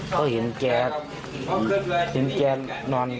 ก็เห็นแกนอน